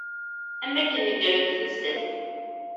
Am akken negrent tissas.